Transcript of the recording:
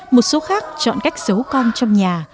một số khác chọn cách giấu con trong nhà